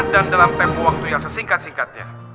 dalam tempo waktu yang sesingkat singkatnya